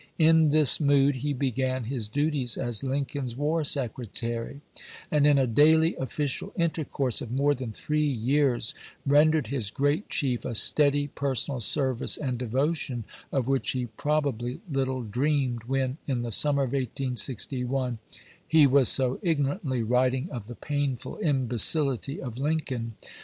In this mood he began his duties as Lincoln's War Secretary, and in a daily official intercourse of more than three years ren dered his gi eat chief a steady personal service and devotion of which he probably little dreamed when, in the summer of 1861, he was so ignorantly writing of the "painful imbecility of Lincoln."